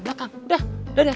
pak kang udah udah udah